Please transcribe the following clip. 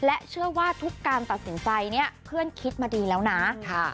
และเชื่อว่าทุกการตัดสินใจเนี่ยเพื่อนคิดมาดีแล้วนะ